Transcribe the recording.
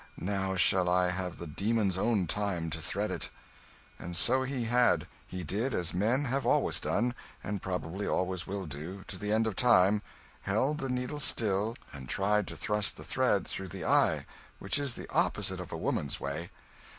Now shall I have the demon's own time to thread it!" And so he had. He did as men have always done, and probably always will do, to the end of time held the needle still, and tried to thrust the thread through the eye, which is the opposite of a woman's way.